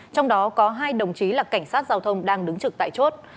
trong đó có hai đồng chí là cảnh sát giao thông đang đứng trực tại chốt